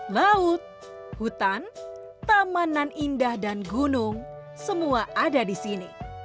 laut hutan tamanan indah dan gunung semua ada di sini